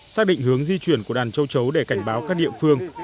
xác định hướng di chuyển của đàn châu chấu để cảnh báo các địa phương